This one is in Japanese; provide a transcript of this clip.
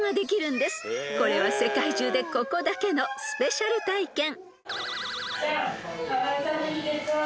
［これは世界中でここだけのスペシャル体験］